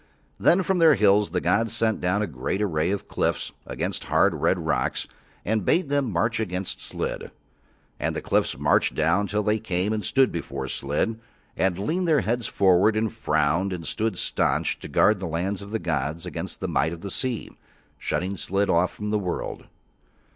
Then from Their hills the gods sent down a great array of cliffs of hard, red rocks, and bade them march against Slid. And the cliffs marched down till they came and stood before Slid and leaned their heads forward and frowned and stood staunch to guard the lands of the gods against the might of the sea, shutting Slid off from the world.